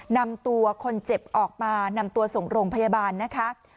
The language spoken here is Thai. นำตัวคนเจ็บออกมานำตัวส่งโรงพยาบาลนะคะ